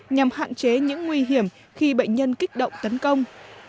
nhằm hạn chế những nguy hiểm khi bệnh nhân kích động tấn công